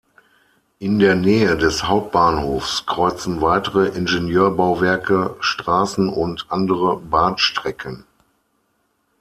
In der Nähe des Hauptbahnhofs kreuzen weitere Ingenieurbauwerke Straßen und andere Bahnstrecken.